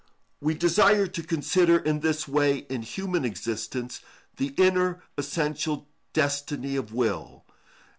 We desire to consider in this way, in human existence, the inner and essential destiny of will.